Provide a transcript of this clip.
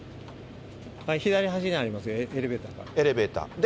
左端にあります、エレベーターは。